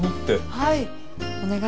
はい。